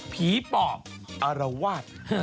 ผีปอบอรัวาท